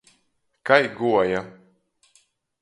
Kai guoja.